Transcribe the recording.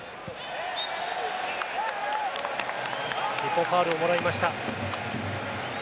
日本、ファウルをもらいました。